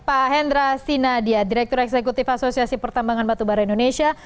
pak hendra sinadia direktur eksekutif asosiasi pertambangan batubara indonesia